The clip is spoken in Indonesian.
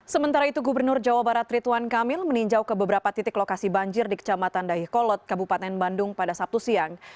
sementara itu gubernur jawa barat rituan kamil meninjau ke beberapa titik lokasi banjir di kecamatan dahih kolot kabupaten bandung pada sabtu siang